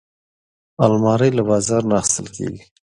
الماري له بازار نه اخیستل کېږي